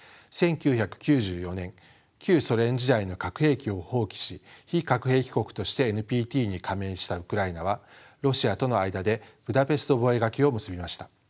１９９４年旧ソ連時代の核兵器を放棄し非核兵器国としてＮＰＴに加盟したウクライナはロシアとの間でブダペスト覚書を結びました。